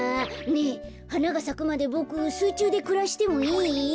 ねえはながさくまでボクすいちゅうでくらしてもいい？